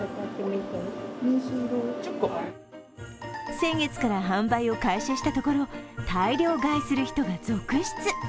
先月から販売を開始したところ、大量買いする人が続出。